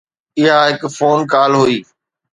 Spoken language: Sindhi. اها هڪ فون ڪال هئي.